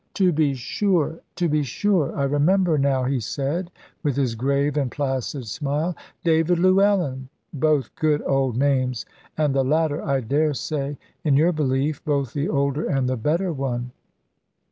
"To be sure, to be sure! I remember now," he said, with his grave and placid smile: "David Llewellyn! Both good old names, and the latter, I daresay, in your belief, both the older and the better one.